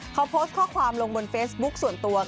เขาโพสต์ข้อความลงบนเฟซบุ๊คส่วนตัว